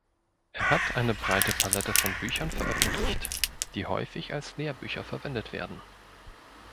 Er hat eine breite Palette von Büchern veröffentlicht, die häufig als Lehrbücher verwendet werden.